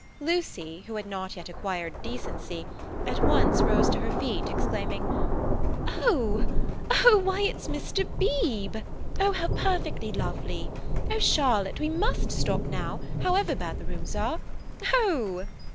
Lucy, who had not yet acquired decency, at once rose to her feet, exclaiming: "Oh, oh! Why, it's Mr. Beebe! Oh, how perfectly lovely! Oh, Charlotte, we must stop now, however bad the rooms are. Oh!"